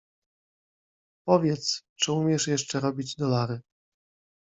"Powiedz, czy umiesz jeszcze robić dolary?"